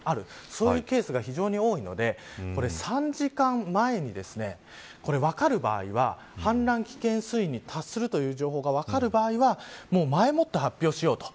そういうケースが非常に多いので３時間前に、分かる場合は氾濫危険水位に達するという情報が分かる場合は前もって発表しようと。